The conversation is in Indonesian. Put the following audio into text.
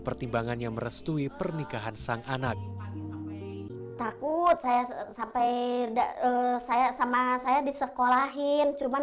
pertimbangannya merestui pernikahan sang anak takut saya sampai saya sama saya disekolahin cuman